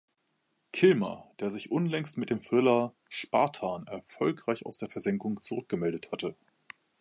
Kilmer, der sich unlängst mit dem Thriller "Spartan" erfolgreich aus der Versenkung zurückgemeldet hatte.